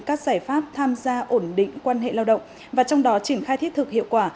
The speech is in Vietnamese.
các giải pháp tham gia ổn định quan hệ lao động và trong đó triển khai thiết thực hiệu quả